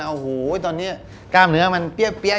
โอ้โหตอนนี้กล้ามเนื้อมันเปรี้ย